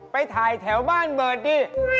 ไปถ่ายแถวบ้านเบิร์ตดิ